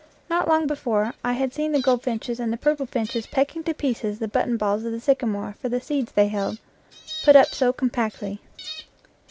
Not long before I had seen the goldfinches and the purple finches pecking to pieces the button balls of the sycamore for the seeds they held, put up so com pactly.